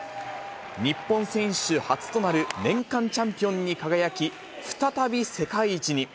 日本選手初となる年間チャンピオンに輝き、再び世界一に。